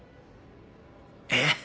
えっ？